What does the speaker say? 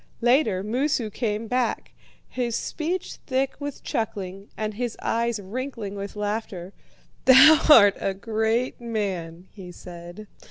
Later, Moosu came back, his speech thick with chuckling and his eyes wrinkling with laughter. "'Thou art a great man,' he said.